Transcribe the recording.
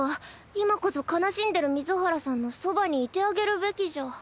今こそ悲しんでる水原さんのそばにいてあげるべきじゃ。